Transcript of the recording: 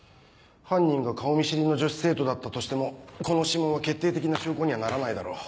犯人が顔見知りの女子生徒だったとしてもこの指紋は決定的な証拠にはならないだろ。